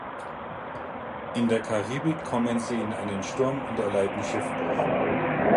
In der Karibik kommen sie in einen Sturm und erleiden Schiffbruch.